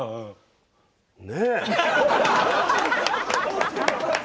ねえ？